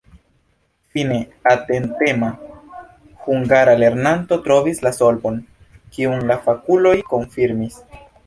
Fine atentema hungara lernanto trovis la solvon, kiun la fakuloj konfirmis.